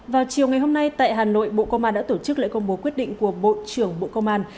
vào chiều ngày hôm nay tại hà nội bộ công an đã tổ chức lễ công bố quyết định của bộ trưởng bộ công an